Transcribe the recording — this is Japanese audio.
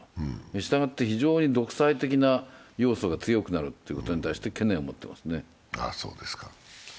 したがって、非常に独裁的な要素が強くなることに対して懸念を持っていますね。